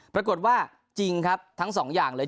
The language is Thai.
ปรากฏว่าจริงครับทั้งสองอย่างเลย